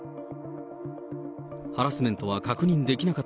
ハラスメントは確認できなか